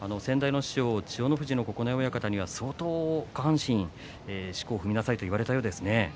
先代の師匠千代の富士の九重親方には相当下半身、しこを踏みなさいと言われたようですね。